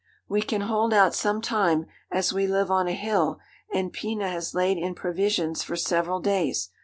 'We can hold out some time, as we live on a hill, and Pina has laid in provisions for several days.